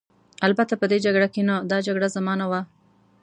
البته په دې جګړه کې نه، دا جګړه زما نه وه.